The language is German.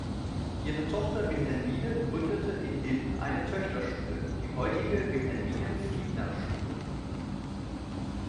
Ihre Tochter Wilhelmine gründete in Hilden eine Töchterschule, die heutige Wilhelmine-Fliedner-Schule.